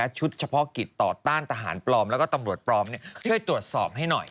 เฉพาะกิจต่อต้านทหารปลอมแล้วก็ตำรวจปลอมช่วยตรวจสอบให้หน่อย